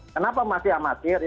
kenapa masih amatir